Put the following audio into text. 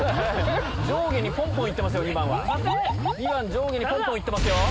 上下にポンポン行ってますよ。